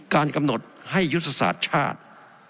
การกำหนดให้ยุทธศาสตร์ชาติ